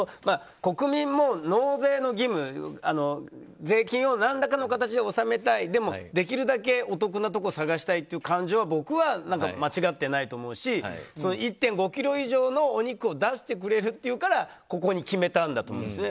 国民も納税の義務税金を何らかの形で納めたい納めたい、でもできるだけお得なところを探したいという感情は僕は間違ってないと思うし１．５ｋｇ以上のお肉を出してくれるというから、ここに決めたんだと思うんですよね。